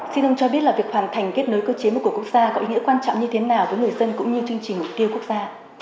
xin ông cho biết là việc hoàn thành kết nối cơ chế một cửa quốc gia có ý nghĩa quan trọng như thế nào với người dân cũng như chương trình mục tiêu quốc gia